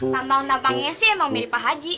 tampang tampangnya sih emang mirip pak haji